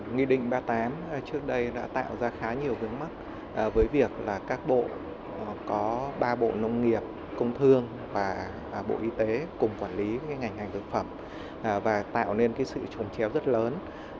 nghi định ba mươi tám trước đây đã tạo ra khá nhiều vướng mắc với việc các bộ có ba bộ nông nghiệp công thương và bộ y tế cùng quản lý ngành hành thực phẩm và tạo nên sự trồn chéo rất lớn